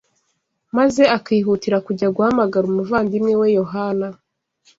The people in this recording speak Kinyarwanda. maze akihutira kujya guhamagara umuvandimwe we Yohana